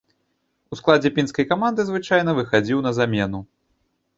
У складзе пінскай каманды звычайна выхадзіў на замену.